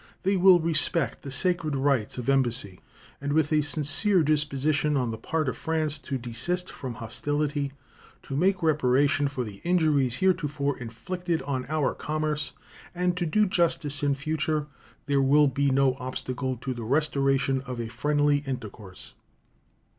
They will respect the sacred rights of embassy; and with a sincere disposition on the part of France to desist from hostility, to make reparation for the injuries heretofore inflicted on our commerce, and to do justice in future, there will be no obstacle to the restoration of a friendly intercourse.